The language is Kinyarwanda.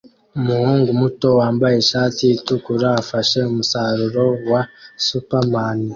Umuhungu muto wambaye ishati itukura afashe umusaruro wa superman